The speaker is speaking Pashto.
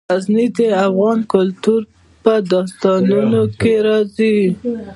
غزني د افغان کلتور په داستانونو کې راځي.